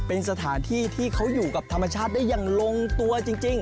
เป็นสถานที่ที่เขาอยู่กับธรรมชาติได้อย่างลงตัวจริง